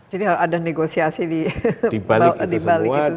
jadi ada negosiasi dibalik itu semua